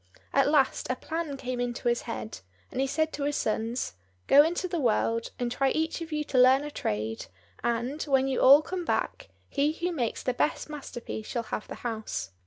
At last a plan came into his head, and he said to his sons, "Go into the world, and try each of you to learn a trade, and, when you all come back, he who makes the best masterpiece shall have the house."